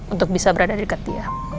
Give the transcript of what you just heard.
untuk bisa berada deket dia